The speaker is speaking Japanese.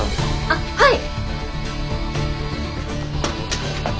あっはい！